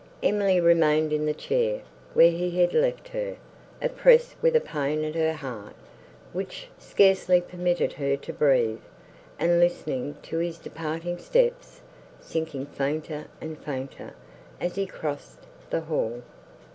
Emily remained in the chair, where he had left her, oppressed with a pain at her heart, which scarcely permitted her to breathe, and listening to his departing steps, sinking fainter and fainter, as he crossed the hall.